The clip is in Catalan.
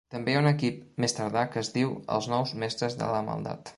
També hi ha un equip més tardà que es diu els Nous Mestres de la Maldat.